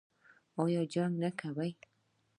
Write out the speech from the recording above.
ایا جنګ نه کوي؟